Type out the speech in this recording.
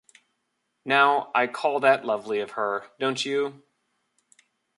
Now, I call that lovely of her, don't you?